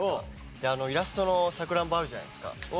であのイラストのサクランボあるじゃないですか。